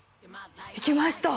行きました！